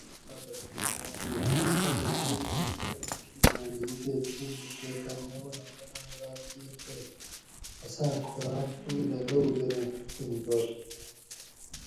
اللّہ پاکیں قدراۤت بِیڛ کاۤں ساۤتہ بِرے شِیٹ اتوشی گھاۤن ہی تے تِلوگیں کیر تانی اولاں قداۤم راۤت کِیر تے اساۤں کُھوراۤں تُودہ لوؤ زریں خختی نِکاڛیت